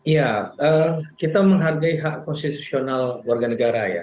ya kita menghargai hak konstitusional warga negara ya